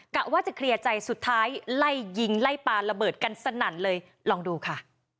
กะว่าจะเคลียร์ใจสุดท้ายไล่ยิงไล่ปลาระเบิดกันสนั่นเลยลองดูค่ะ